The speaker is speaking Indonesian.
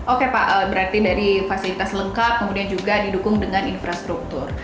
oke pak berarti dari fasilitas lengkap kemudian juga didukung dengan infrastruktur